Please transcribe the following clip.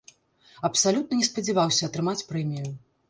Абсалютна не спадзяваўся атрымаць прэмію.